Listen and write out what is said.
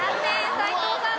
斎藤さん